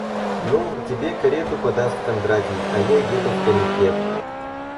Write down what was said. Ну, тебе карету подаст Кондратий, а я еду в комитет.